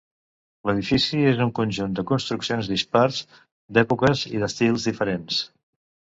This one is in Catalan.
L'edifici és un conjunt de construccions dispars, d'èpoques i d'estils diferents.